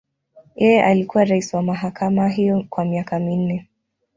Yeye alikuwa rais wa mahakama hiyo kwa miaka minne.